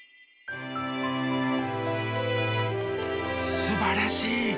すばらしい。